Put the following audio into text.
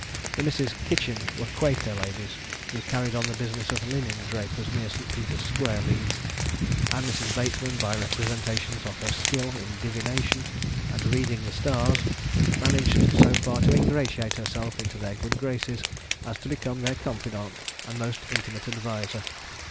The Misses Kitchen were quaker ladies, who carried on the business of linen drapers, near St. Peter's Square, Leeds, and Mrs. Bateman, by representations of her skill in divination, and reading the stars, managed so far to ingratiate herself into their good graces as to become their confidant and most intimate adviser.